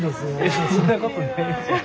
そんなことないですよ。